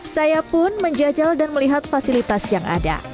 saya pun menjajal dan melihat fasilitas yang ada